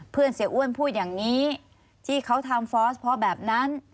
เสียอ้วนพูดอย่างนี้ที่เขาทำฟอสเพราะแบบนั้น